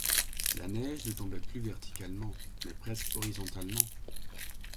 La neige ne tombait plus verticalement, mais presque horizontalement.